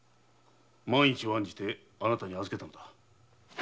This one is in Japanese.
万一を案じて貴方に預けたのだろう。